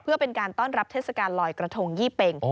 เพื่อเป็นการต้อนรับเทศกาลลอยกระทงยี่เป็ง